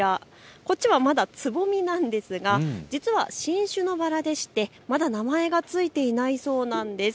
こっちはまだつぼみなんですが実は新種のバラでしてまだ名前がついていないそうなんです。